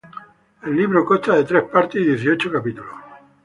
El libro consta de tres partes y dieciocho capítulos.